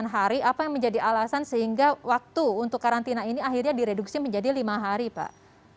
delapan hari apa yang menjadi alasan sehingga waktu untuk karantina ini akhirnya direduksi menjadi lima hari pak